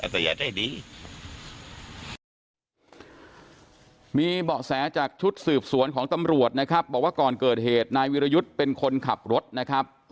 แต่อย่าได้ดี